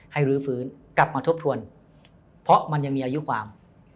รื้อฟื้นกลับมาทบทวนเพราะมันยังมีอายุความ